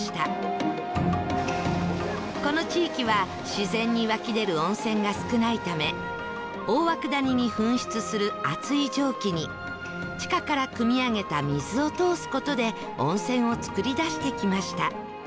この地域は自然に湧き出る温泉が少ないため大涌谷に噴出する熱い蒸気に地下からくみ上げた水を通す事で温泉を造りだしてきました